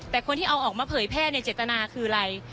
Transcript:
แต่คนที่เอาออกมาเผยแพร่ในเจตนาคืออะไร